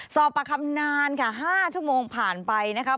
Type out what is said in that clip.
สอบปากคำนานค่ะ๕ชั่วโมงผ่านไปนะครับ